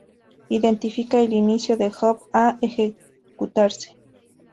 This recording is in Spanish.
Identifica el inicio del job a ejecutarse.